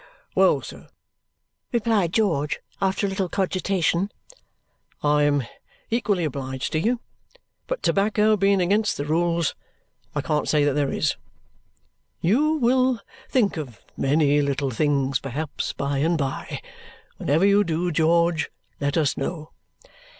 "Well, sir," replied George, after a little cogitation, "I am equally obliged to you, but tobacco being against the rules, I can't say that there is." "You will think of many little things perhaps, by and by. Whenever you do, George, let us know."